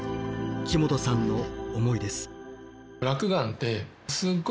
木本さんの思いです。